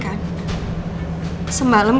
kalau rusia nyampe